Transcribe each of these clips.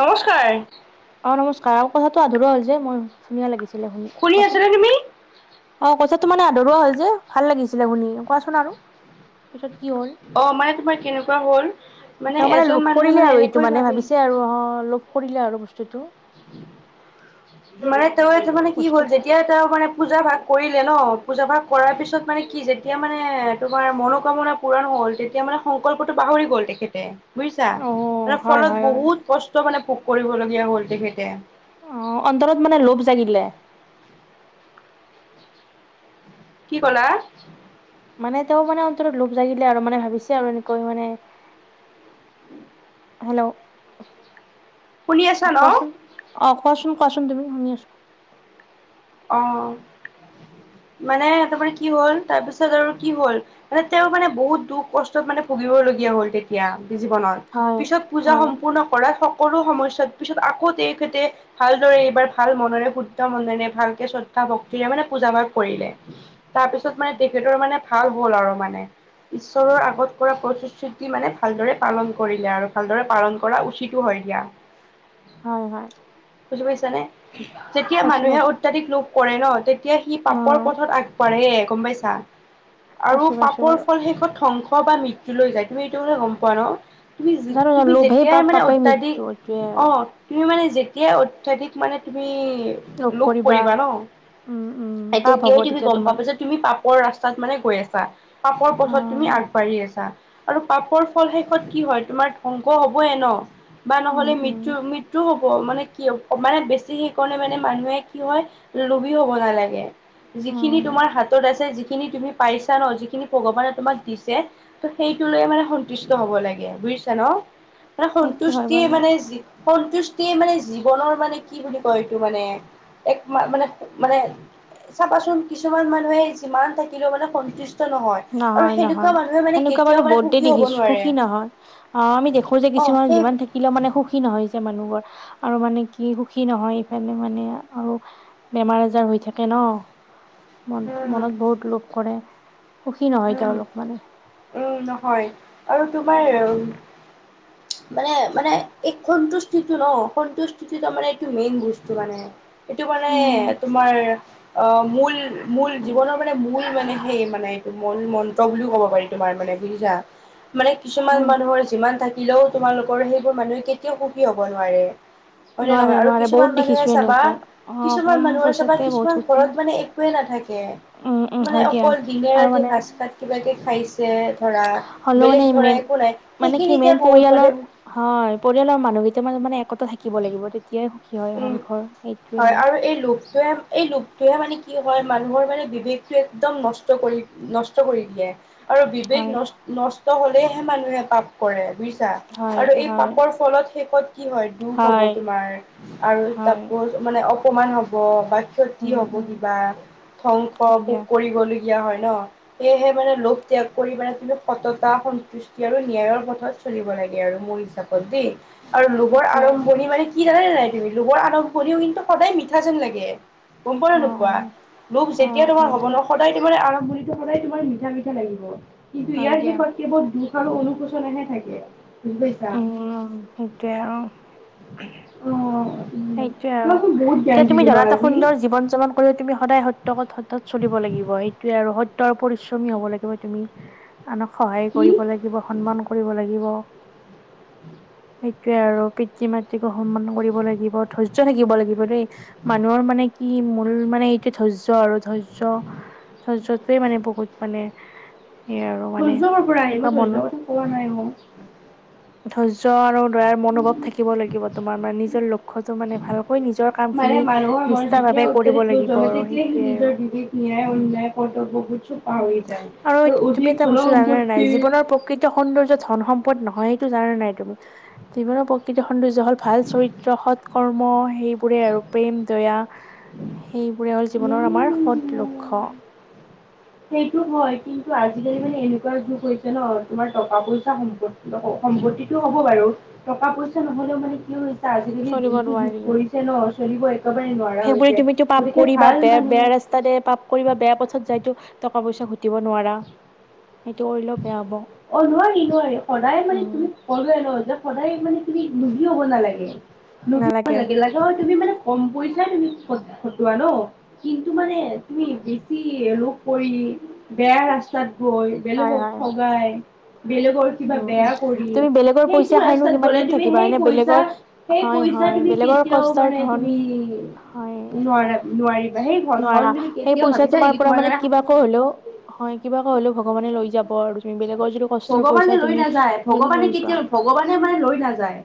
নমস্কাৰ। অ নমস্কাৰ আৰু কথাটো আধৰুৱা হ'ল যে, মই ধুনীয়া লাগিছিল। শুনি আছা নে তুমি? অ', কথাটো মানে আধৰুৱা হ'ল যে ভাল লাগিছিলে শুনি, কোৱাচোন আৰু। পিছত কি হ'ল অ', মানে তোমাৰ কেনেকুৱা হ'ল? মানে তাৰমানে এজন লগ মানুহে কৰিলে মানে আৰু এইটো এনেকৈ মানে ভাবে ভাবিছে আৰু অ', লগ কৰিলে আৰু। বস্তুটো মানে তেওঁ এইটো মানে কি বস্তু হ'ল, যেতিয়া তেওঁ মানে পূজা ভাগ কৰি লে নহ, পূজা ভাগ কৰাৰ পিছত মানে কি যেতিয়া মানে তোমাৰ মনোকামনা পূৰণ হ'ল, তেতিয়া মানে সংকল্পটো পাহৰি গ'ল তেখেতে। বুজিছা অ মানে হয় ফলত হয় হয় বহুত কষ্ট মানে ভোগ কৰিবলগীয়া হল তেখেতে। অ', অন্তৰত মানে লোভ জাগিলে। কি ক'লা? মানে তেওঁৰ মানে অন্তৰত লোভ জাগিলে আৰু মানে ভাবিছে আৰু এনেকৈ মানে হেল্ল'। অ', শুনি আছা কোৱাচোন, ন অ', কোৱাচোন কোৱাচোন তুমি, শুনি আছোঁ। অহ। [inaudible] মানে তোমাৰ কি হ'ল তাৰ পিছত আৰু কি হ'ল, মানে তেওঁ মানে বহুত দুখ কষ্টত মানে ভুগিবলগী গীয়া হ'ল তেতিয়া জীৱনত, হয় পিছত পূজা হয় সম্পূৰ্ণ কৰা শ সৰু সমস্যাত, পিছত আকৌ তেখেতে ভালদৰে এইবাৰ ভাল মনেৰে, শুদ্ধ মনেৰে ভাল শ্ৰদ্ধা ভক্তিৰে মানে পূজা ভাগ কৰিলে তাৰ পিছত মানে তেখেতৰ মানে ভাল হ'ল আৰু মানে। ঈশ্বৰৰ আগত কৰা প্ৰতিশ্ৰুতি মানে ভালদৰে পালন কৰিলে আৰু ভালদৰে পালন কৰা উচিতো হয়। এতিয়া, হয় হয় বুজি পাইছানে? যেতিয়া পাইছো মানুহে পাইছো অত কৰে ন' তেতিয়া সি অ পাপৰ পথত আগবাঢ়ে গম পাইছা। আৰু পাইছো পাইছো পাপৰ বাৰু ফল শেষত ধ্বংস বা মৃত্যুলৈ যায়, তুমি এইটো কথা গম পোৱা নহ। তুমি, জানো জানো তুমি লোভেই যেতিয়াই পাপ মানে পাপেই অত্যাধিক, মৃত্যু এইটোৱে আৰু অ', তুমি মানে যে তিয়াই অত্যাধিক মানে তুমি লোভ কৰিবা নহ। উম উম পাপ হ'ব তেতিয়াই তুমি তেতিয়া গম তোমাৰ পাবা পাইছা তুমি পাপৰ ৰাস্তাত মানে গৈ আছা, পাপৰ অ পথত তুমি আগবাঢ় ঢ়ি আৰু পাপৰ ফল শেষত কি হয় তোমাৰ ধ্বংস হ'বয়ে ন'। বা উম নহ'লে উম মৃত্যু, মৃত্যু হ'ব মানে কি মানে বেছি সেইকাৰণে মানে মানুহে কি হয় লোভী হ'ব নালাগে, যিখিনি উম তোমাৰ হাতত আছে যিখ খিনি তুমি পাইছা ন' যিখিনি ভগৱানে তোমাক দিছে ত' সেইটো লৈয়ে মানে সন্তুষ্ট হ'ব লাগে, বু জিছা ন' মানে সেইটো হয় সন্তুষ্টি বাৰু মানে যি সন্তুষ্টিয়ে মানে জীৱনৰ মানে কি বুলি কয় এইটো মানে। একা-মান-মানে মানে চাবাচোন কিছুমান মানুহে যিমান থাকিলেও মানে সন্তুষ্ট আৰু নহয়, সেনেকুৱা নহয় মানুহে মানে সেনেকুৱা কেতিয়াও বাৰু মানে বহুতে সুখী হ'ব দেখিছোঁ নোৱাৰে। সুখী নহয় অহ, আমি দেখো যে কি অ' কিছুমান সেই যিমান থাকিলেও মানে সুখী নহয় যে মানুহ। আৰু মানে কি সুখী নহয়, ইফালে মানে আৰু বেমাৰ আজাৰ হৈ থাকে ন। উম, মন-মনত বহুত লোভ কৰে। সুখী নহয় উম, তেওঁলোক মানে উম, নহয় আৰু তোমাৰ উ মানে, মানে এই সন্তুষ্টিটো ন! সন্তুষ্টিটো মানে এইটো মেইন বস্তু মানে এইটো মানে উম তোমাৰ অ', মূল, মূল জীৱনৰ মানে মূল মানে সেইমানে মূলমন্ত্ৰ বুলিও ক'ব পাৰি তোমাৰ মানে বুজিছা, মানে কিছুমান হয় মানুহৰ যিমান থাক দিলেও তোমালোকৰ সেইবোৰ মানুহে কেতিয়াও সুখী হ'ব নোৱাৰে। হয়নে, নোৱাৰে নহয়? আৰু নোৱাৰে কিছুমান বহুত মানুহে দেখিছো চাবা এনেকৈ অ কিছুমান কম মানুহে চাবা, পইচাতে বহুত কিছুমান সুখী ঘৰত মানে একোৱে না থাকে, উম, উম, মানে হয় দিয়া অকল দিনে আৰু ৰাতি মানে ভাত সাঁজ কিবাকে খাইছে। ধৰা হ'লেও বেলেগ মানে ধৰা একো নাই মেন-মানে কি সেইখিনিতে মেইন বহুত মানে পৰিয়ালৰ হয়, পৰিয়ালৰ মানুহ কেইটা মান মানে এক থাকিব লাগিব তেতিয়াই সুখী হয় এখন উম, ঘৰ সেইটোৱে হয়, আৰু এই লোভটোৱে, এই লোভটোয়ে মানে কি হয়, মানুহৰ মানে বিবেকটো একদম নষ্ট কৰি, নষ্ট কৰি দিয়ে। আৰু বিবেক হয়, নষ্ট-নষ্ট হ'লেহে মানুহে পাপ কৰে বুই ছা, হয়, আৰু এই হয়, পাপৰ ফলত শেষত কি হয়, দুখ হ'ব তোমাৰ। আৰু হয়, তাকো মানে অকমান হ'ব বা ক্ষতি উম, হ'ব উম, কিবা ধ্বংস হয় পোক দিয়া। কৰি বলৈ দিয়া হয় ন সেয়েহে মানে লোভ ত্যাগ কৰি মানে তুমি সততা সন্তুষ্টি আৰু নিয়াৰ পথত চলিব লাগে আৰু মোৰ হিচাপত দেই। আৰু লোভৰ সেইটোৱে আৰু। আৰম্ভণি মানে কি জানা নে নাই তুমি লোভৰ আৰম্ভণিও কিন্তু সদায় মিঠা যেন লাগে। গম পোৱা অ', নে নোপোৱা অ', লোভ যেতিয়া অ', তোমাৰ হয় হ'ব দিয়া, ন সদায় তোমাৰ আ [unintelligible] হয় দিয়া। আৰু অনুশোচনাহে থাকে। বুজি পাইছা। উম, সেইটোৱে আৰু অঁ। সেইটোৱে আৰু এতিয়া তুমি ন ধৰা এটা আজি। সুন্দৰ জীৱন যাপন কৰি তুমি সদায় সত্যত পথত চলিব লাগে লাগিব সেইটোৱে আৰু সত্যৰ পৰিশ্ৰমী হ'ব লাগিব তুমি। আনক সহায় কি কৰিব লাগিব সন্মান কৰিব লাগিব [inaudible] সেইটোৱে আৰু পিতৃ-মাতৃকো সন্মান কৰিব লাগিব। ধৈৰ্য থাকিব লাগিব দেই মানুহৰ মানে কি মূল মানে এইটো ধৈৰ্য্য আৰু ধৈৰ্য্য ধৈৰ্যটোৱে মানে বহুত মানে সেই আৰু মানে এনেকুৱা মনো [unintelligible] ধৈৰ্য্য আৰু দয়াৰ মনোভাৱ থাকিব লাগিব তোমাৰ মানে নিজৰ লক্ষ্যটো মানে ভালকৈ নিজৰ মানে কামখিনি মানুহৰ মন যেতিয়া নিষ্ঠাভাৱে কৰিব অত্যাধিক লোভ লাগিব জমে আৰু তেতিয়াই সি সেইটোৱে আৰু নিজৰ [inaudible] [inaudible] বিবেক ন্যায় অন্যায় কৰ্তব্যবোৰ চব উম পাহৰি যায় আৰু তুমি অধিক এটা ধন বস্তু জানানে নাই সম্পত্তি জীৱনৰ প্ৰকৃত সৌন্দৰ্য ধন সম্পদ নহয় সেইটো জানানে নাই তুমি জীৱনৰ প্ৰকৃৃত সৌন্দৰ্য হল ভাল চৰিত্ৰ সৎ কৰ্ম সেইবোৰে আৰু প্ৰেম, দয়া [inaudible] সেইবোৰে হ'ল জীৱনৰ আমাৰ সদ উম লক্ষ্য। সেইটো হয় কিন্তু আজিকালি মানে এনেকুৱা যুগ হৈছে ন তোমাৰ টকা-পইচা সম্পত্তি হও সম্পত্তিটো হ'ব বাৰু টকা পইচা নহ'লেও মানে কি আজিকালি চলিব যিটো যুগ নোৱাৰি কৰিছে ন চলিবই সেইবোৰে তুমিতো পাপ কৰিবা বেয়া বেয়া মানুহ ৰাস্তাদে পাপ কৰিবা বেয়া পথত যাইটো টকা পইচা ঘটিব নোৱাৰা সেইটো কৰিলেও বেয়া হ'ব অ নোৱাৰি নোৱাৰি সদায় মানে উম তুমি [unintelligible] যে সদায় মানে তুমি লোভি হ'ব নালাগে লোভি নালাগে [unintelligible] লাগে হলে তুমি মানে কম পইচাই তুমি খ খটোৱা ন কিন্তু মানে তুমি বেছি লোভ কৰি বেয়া ৰাস্তাত গৈ হয় বেলেগক হয় ঠগাই বেলেগৰ কিবা উম উম বেয়া কৰি তুমি বেলেগৰ পইচা সেইটো খাইনো ৰাস্তাত কিমান গলে দিন তুমি থাকিবা সেই হয়নে পইছা বেলেগৰ সেই হয় পই সেই হয় তুমি বেলেগৰ কেতিয়াও কষ্টৰ মানে ধন তুমি হয় নোৱাৰা নোৱাৰি নোৱাৰা সেই পইচা তোমাৰ পৰা মানে কিবাকৈ হলেও হয় কিবাকৈ হলেও ভগৱানে লৈ যাব আৰু। বেলেগৰ যিটো কষ্টৰ ভগৱানে পইচা লৈ তুমি নাযায় যদি ভগৱানে লৈ যোৱা। কেতিয়াও [inaudible] ভগৱানে মানে লৈ নাযায়।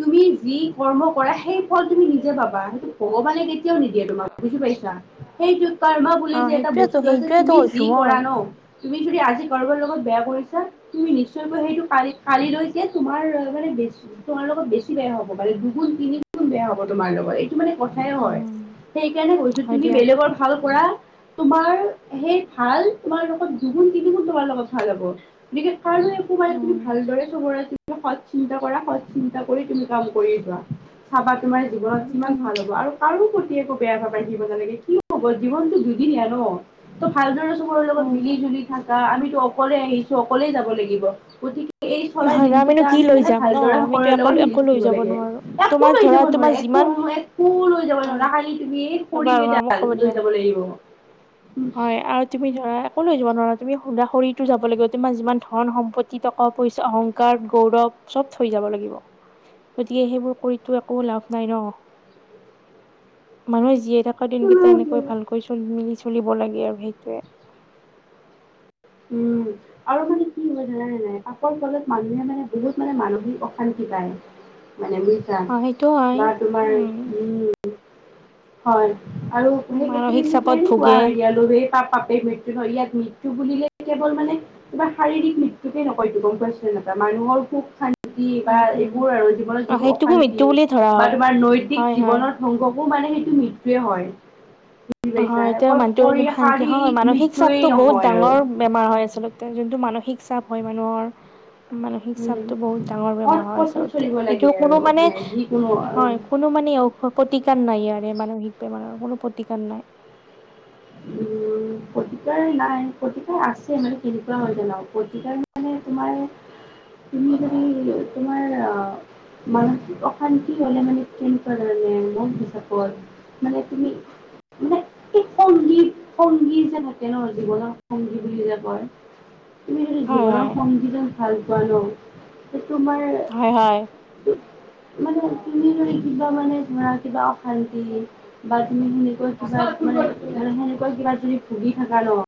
তুমি যি কৰ্ম কৰা সেই ফল তুমি নিজে পাবা সেইটো ভগৱানে কেতিয়াও নিদিয়ে তোমাক বুজি পাইছা। সেইটো কৰ্মা বুলি অ যে এটা সেইটোয়েতো বস্তু আছে সেইটোয়েতো তুমি যি কৈছো কৰা মই ন তুমি যদি আজি কাৰোবৰ লগত বেয়া কৰিছা তুমি নিশ্চয়কৈ সেইটো কালি লৈকে তোমাৰ মানে তোমাৰ গত বেছি বেয়া হ'ব। [unintelligible] দুুগুণ তিনিগুণ বেয়া হ'ব তোমাৰ লগত মানে কথাই হয়, উম সেইকাৰণে কৈছো হয় তুমি দিয়া বেলেগৰ ভাল কৰা তোমাৰ সেই ভাল তোমাৰ লগত দুগুণ তিনিগুণ তোমাৰ লগত ভাল হ'ব [unintelligible] [unintelligible] তুমি উম ভালদৰে [unintelligible] [unintelligible] সৎ চিন্তা কৰা সৎ চিন্তা কৰি তুমি কাম কৰি যোৱা, চাবা তোমাৰ জীৱনত কিমান ভাল হ'ব আৰু কাৰো প্ৰতি একো বেয়া ভাব ৰাখিব নালাগে কি হব জীৱনটো দুদিনীয়া ন ত ভাল আৰু চবৰে লগত হয় মিলি জুলি থাকা আমিতো অকলে আহিছো অকলে যাব লাগিব গতিকে এই চলাই হয় ন আমিনো দিনকেইটা কি আমি লৈ মানে যাম ন ভালদৰে আমিতো সকলোৰে একো লগত একো মিলি-জুলি লৈ থাকিব যাব লাগে নোৱাৰো একো তোমাৰ লৈ ধৰা যাব নোৱাৰে তোমাৰ এক [unintelligible] যিমান [unintelligible] একো লৈ যাব হয় নোৱাৰা খালি তুমি এই বাৰু মোক খৰিকেইডাল ক'ব লৈ দিয়া যাব লাগিব হয় আৰু তুমি ধৰা একো লৈ যাব নোৱাৰা- তুমি সুদা শৰীৰ তো যাব লাগিব তোমাৰ যিমান ধন সম্পত্তি টকা পইচা, অহংকাৰ, গৌৰৱ চব থৈ যাব লাগিব। গতিকে সেইবোৰ কৰিতো একো লাভ নাই ন? মানুহে যি থকা দিনকেইটা এনেকৈ ভালকৈ চল মিলি চলিব লাগে আৰু সেইটোৱে উম, আৰু মানে কি হয় জানা নে নাই? পাপৰ ফলত মানুহে মানে বহুত মানে মানসিক অশান্তি পাই, মানে বুজিছা অ সেইটো হয় বা তোমাৰ উম হয়। আৰু মানসিক সেইখিনিকে চাপত কোৱা ভোগে হয় লভেই পাপ পাপেই মৃত্যু ধৰ ইয়াত মৃত্যু বুলিলে কেৱল মানে কিবা শাৰীৰিক মৃত্যুকে নকয়টো গম পাইছানে? মানুহৰ সুখ শান্তি- বা উম উম এইবোৰ আৰু জীৱনত অ যিবোৰ সেইটোকো মৃত্যু অশান্তি বুলিয়ে ধৰা বা হয় তোমাৰ নৈতিক হয় হয় জীৱনৰ ধ্বংস বোৰ মানে মৃত্যুয়ে হয় বুজি পাইছা হয়, এতিয়া অকল মানটো শৰীৰ শান্তি হয় শাৰীৰিক মানসিক মৃত্যুয়েই চাপটো বহুত নহয় আৰু ডাঙৰ বেমাৰ হয় আচলতে যোনটো মানসিক চাপ হয় মানুহৰ মানসিক উম চাপটো বহুত ডাঙৰ সৎ বেমাৰ হয় পথত আচলতে, চলিব এইটো লাগে কোনো আৰু মানে যিকোনো হয় উম কোনো মা প নাই ইয়াৰে মানসিক বেমাৰৰ কোনো প্ৰতিকাৰ নাই। [unintelligible] প্ৰতিকাৰ নাই, প্ৰতিকাৰ আছে মানে কেনেকুৱা হয় জানো প্ৰতিকাৰ মানে তোমাৰ, তুমি যদি তোমাৰ অ'। মানসিক অশান্তি হ'লে মানে কেনকুৱা জানানে মোৰ হিচাপত মানে তুমি [unintelligible] সংগীত, সংগী যে থাকে ন' জীৱনত সংগী বুলি যে কয়। তুমি হয় জীৱনৰ হয় সংগীজন ভাল পোৱা ন' [unintelligible] তোমাৰ হয় হয় মানে কি [unintelligible] কিবা মানে ধৰা কিবা অশান্তি বা তুমি সেনেকুৱা কিবা মানে তেনেকুৱা কিবা যদি ভুগি থাকা ন'।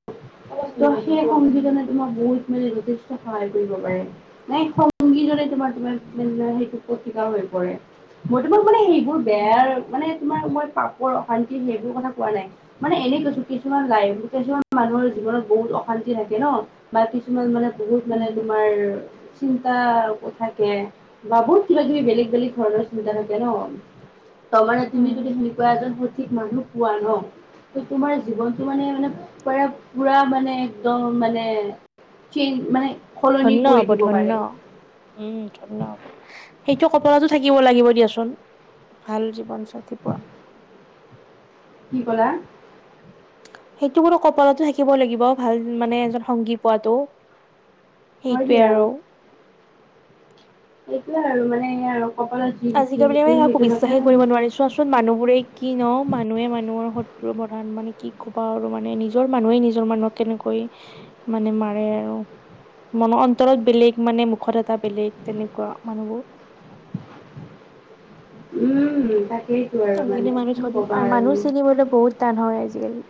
ত' সেই উম সংগীজনে তোমাক বহুত মানি যথেষ্ট সহায় কৰিব পাৰে, নাই সংগীজনে তোমাৰ উম, [unintelligible] হৈ পৰে, মই তোমাক মানে সেইবোৰ বেয়াৰ উম, মানে তোমাৰ মই পাপৰ অশান্তি সেইবোৰ কথা কোৱা নাই মানে এনেই কৈছো কিছুমান লাইফ কিছুমান মানুহৰ জীৱনত বহুত অশান্তি থাকে ন' বা কিছুমান মানে বহুত মানে উম, তোমাৰ চিন্তা থাকে বা বহুত কিবা কিবি বেলেগ বেলেগ ধৰণৰ চিন্তা থাকে ন'। তাৰমানে তোমাৰ তুমি উম, যদি সেনেকুৱা এজন সঠিক মানুহ পোৱা ন'। তে তোমাৰ জীৱনটো মানে মানে পৰে পুৰা মান মানে একদম মানে চেঞ্জ মানে সলনি ধন্য কৰি হ'ব, দিব ধন্য, পাৰে উম, ধন্য হ'ব সেইটো কপলাতো থাকিব লাগিব। দিয়াচোন ভাল জীৱনচাথী পোৱা। কি ক'লা? সেইটোবোলো কপালতো থাকিব লাগিব ভাল মানে এজন সংগী পোৱাটো। হয় সেইটোৱে আৰু। এইটোৱে আৰু মানে আৰু কপালত যি লিখি আজিকালি দিছো একো সেইজনকে বিশ্বাসে কৰিব নোৱাৰি চোৱাচোন মানুহবোৰে কি ন মানুহে মানুহৰ স প্ৰধান মানে কি ক'বা আৰু মানে নিজৰ মানুহে নিজৰ মানুহক কেনেকৈ মানে মাৰে আৰু। মনৰ অন্তৰত বেলেগ মানে মুখত এটা বেলেগ তেনেকুৱা মানুহবোৰ। উম তাকেইতো আৰু মানে আজিকালি মানুহ কি ধৰি কবা আৰু মানুহ চিনিবলৈ বহুত টান হয় আজিকালি।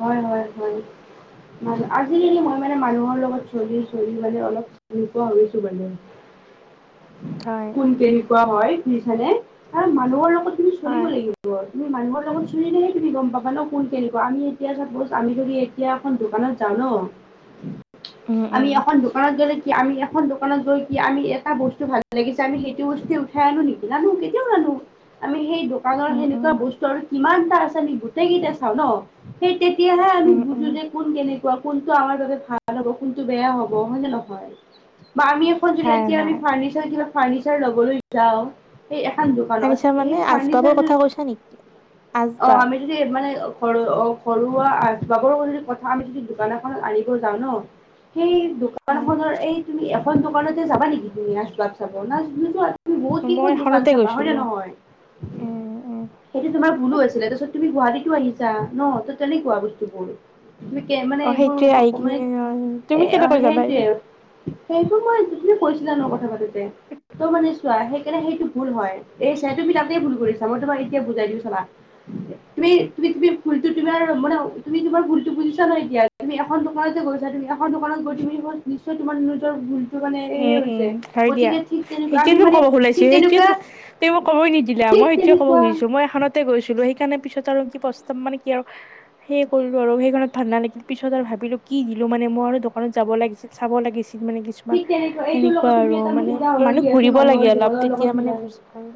হয় হয় হয় [inaudible] আজিকালি মই মানে মানুহৰ লগত চলি চলি মানে অলপ চিনি পোৱা হৈছো মানে। [inaudible] হয়, কোন কেনেকুৱা হয় শুনিছানে কাৰণ মানুহৰ লগত তুমি চলিব হয়, লাগিব। তুমি মানুহৰ লগত চিলিলেহে তুমি গম পাবা ন' কোন কেনেকুৱা আমি এতিয়া চাপোজ আমি যদি এতিয়া এখন দোকানত যাওঁ ন'। উম, আমি উম, এখন দোকানত গ'লে কি আমি এখন দোকানত গৈ কি আমি এটা বস্তু ভাল লাগিছে আমি সেইটো বস্তুৱ উঠাই আনো নিদিনানো কেতিয়াও নান আমি সেই দোকানৰ উম, সেনেকুৱা উম, বস্তু আৰু কিমানটা আছে গোটেইকেইতে চাওঁ ন' সেই তেতিয়াহে আমি উম, উম, বুজো যে কোন কেনেকুৱা। কোনটো আমাৰ বাবে ভাল হ'ব কোনটো বেয়া হ'ব হয় নে নহয়। বা আমি এখন [unintelligible] হয়, এতিয়া আমি হয়। ফাৰ্ণিচাৰ ফাৰ্ণিচাৰ লবলৈ যাওঁ এই এখন দোকানত তানিছা সেই মানে ফাৰ্নিচাৰ আচবাবৰ কথা কৈছা নেকি? অ', আচবাব আমি যদি মানে ৰু অ', ঘৰুৱা আবাবৰদি কথা আমি যদি দোকান এখনত আনিব যাওঁ ন' সেই হয়, দোকানখনৰ এই তুমি এখন দোকানতে যাবা নেকি তুমি আচবাব চাব না নোযোৱা তুমি বহুত মই কেইখন দোকান এখনতে চাবা হয় নে গৈছিলো। নহয় উম, উম, সেইটো তোমাৰ ভুলো আছিলে তাৰপছত তুমি গুৱাহাটীতটো আহিছা ন' ত' তেনেকুৱা বস্তুবোৰ। মানে অ', এইবোৰ সেইটোৱে আহি কিনে মানে এ তুমি কেনেকৈ জানা এইবোৰ? সেইটোৱে আৰু সেইটো মই যিখিনি কৈছিলা নো কথা পাতোতে। তই মানে চোৱা সেইকাৰণে সেইটো ভুল হয় এই সেইটো বিলাকতে ভুল কৰিছা মই তোমাক এতিয়া বুজাই দিওঁ চাবা। তুমি তুমি ভুল তুমি মানে, তুমি তোমাৰটো বুজিছা ন' এতিয়া তুমি এখন দোকানতে গৈছা তুমি দোকানত গৈ তুমি ম নিশ্চয় তোমাৰ নিজৰ মানে উম, সেই উম, হৈছে হয় দিয়া গতিকে ঠিক তেনেকুৱা সেইটোবে আমি মই মানে ক'ব খোলাইছো ঠিক সেইটোয়ে তেনেকুৱা তুমি মোক ক'বই নিদিলা ঠিক মই এতিয়া ক'ব তেনেকুৱা খুজিছো মই এখনতে গৈছিলো সেইকাৰণে পিছত আৰু প্ৰস্ত মানে কি আৰু সেয় কৰিলো আৰু সেইখনত ভাণ্ডা লাগিল পিছত আৰু ভাবিলো কি দিলো মানে মই আৰু ত' যাব লাগিছিল চাব লাগিছিল মানে কিছুমান ঠিক তেনেকুৱা এইটোৰ লগত সেনেকুৱা তুমি আৰু এটা মোক মানে উদাহৰণ মানুহ দিয়াচোন ঘুৰিব মানুহৰ লাগে অলপ জীৱনৰ লগত তেতিয়া মানে মিলাই বুজি পায়।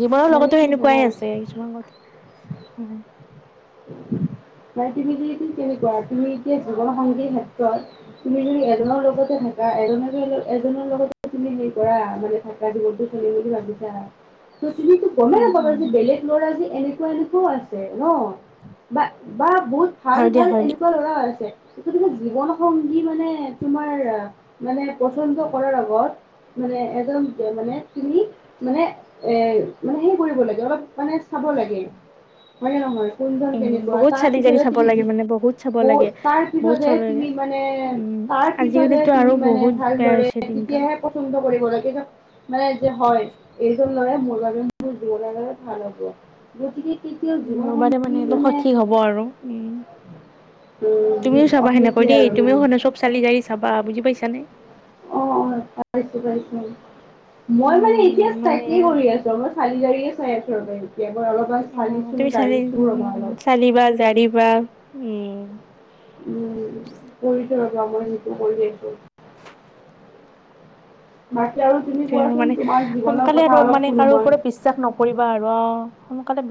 জীৱনৰ মানে লগতো কি সেনেকুৱাই জানা আছে কিছুমান কথা হয়। [inaudible] নাই তুমি যদি কেনেকুৱা, তুমি এতিয়া জসংগীৰ ক্ষেত্ৰত তুমি যদি এজনৰ লগতে বা এজনৰ লগত তুমি হেৰি কৰা মানে থকা জীৱনতটো চলিম বুলি ভাবিছা। ত, তুমিতো গমেই উম নাপাবা উম যে উম বেলেগ ল'ৰা যে এনেকুৱা- এনেকুৱাও আছে ন' বা বা বহুত ভাল, হয় দিয়া ভাল হয় দিয়া এনেকুৱা ল'ৰা আছে। [unintelligible] জীৱনসংগী মানে তোমাৰ মানে পচন্দ কৰাৰ আগত মানে এজন মানে তুমি মানে এ, মানে সে কৰিব লাগে অলপ মানে [unintelligible] লাগে হয়নে নহয়? কোন্ধন উম কেনেকুৱা বহুত তাৰ চালি জাৰি পিছতহে চাব তুমি, লাগে মানে বহুত চাব লাগে তাৰ বহুত পিছতহে চাব লাগে তুমি মানে উম তাৰ পিছতহে আজিকালিতো আৰু তুমি মানে বহুত বেয়া ভালদৰে হৈছে দিনকাল তেতিয়াহে পচন্দ [unintelligible] কিন্তু মানে যে হয় এইয ল'ৰাই মোৰগ দৌ ল গ'লে ভাল হ'ব গতিকে কেতিয়াও মোৰ জীৱসংগ মানে বাদে এইটো সঠিক হ'ব আৰু উম। উম তুমিও চাবা সেনেকৈ সেইটোৱে দেই, আৰু তুমিও মানে শান চব চালি জাৰি চাবা বুজি পাইছানে। অ', অ', পাইছো, পাইছো মই মানে উম এতিয়া মানে চাকে কৰি আছো, মই চালি জড়ীয়ে আছো এশ অ', তুমি চালি ৰ'বা অলপ চালিবা জাৰিবা, উম। উম, কৰিছে [unintelligible] মই সেইটো কৰি যছো সেইটোৱে আৰু কোৱাচোন মানে তোমাৰ জীৱনৰ সোনকালে আৰু কথা অলপ মানে শুনো কাৰো মই ওপৰত বিশ্বাস নকৰিবা আৰু অ', সোনকালে